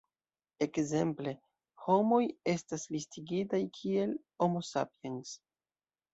Ekzemple, homoj estas listigitaj kiel "Homo sapiens".